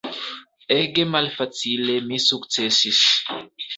Ege malfacile mi sukcesis.